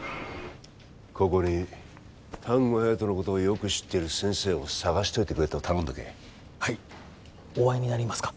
ここに丹後隼人のことをよく知っている先生を探しといてくれと頼んどけはいお会いになりますか？